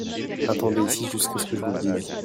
Attendez ici jusqu'à ce que je vous le dise.